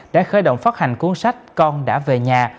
đã khởi động phát hành cuốn sách con đã về nhà